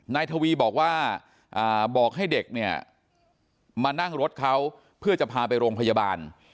นายทวีบอกว่าบอกให้เด็กเนี่ยมานั่งรถเขาเพื่อจะพาไปโรงพยาบาล